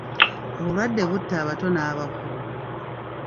Obulwadde butta abato n'abakulu.